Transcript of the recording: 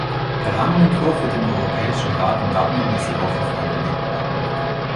Der Rahmenentwurf wird dem Europäischen Rat in Dublin diese Woche vorgelegt werden.